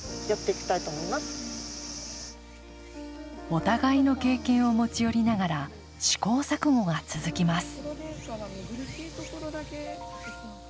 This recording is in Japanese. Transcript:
お互いの経験を持ち寄りながら試行錯誤が続きます。